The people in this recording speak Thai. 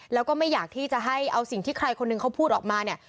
แล้วก็ไม่อยากที่จะให้เอาสิ่งที่ใครคนหนึ่งเขาพูดออกมาเนี่ย